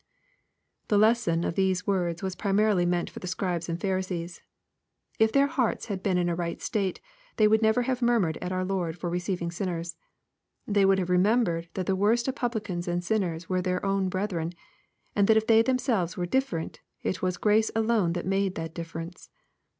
The lesson of these words was primarily meant for the Scribes and Pharisees. If their hearts had been in a right state, they would never have murmured at our Lord for receiving sinners. They would have remembered that the worst of publicans and sinners were their own brethren, and that if they themselves were different, it was grace alone that had made the difference.